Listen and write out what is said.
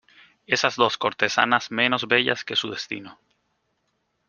esas dos cortesanas menos bellas que su destino.